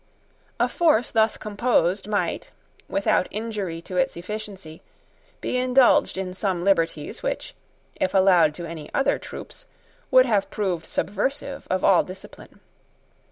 A force thus composed might, without injury to its efficiency, be indulged in some liberties which, if allowed to any other troops, would have proved subversive of all discipline.